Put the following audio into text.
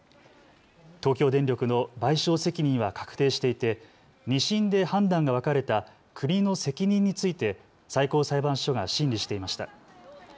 東京電力の賠償責任は確定していて２審で判断が分かれた国の責任について最高裁判所が審理していました。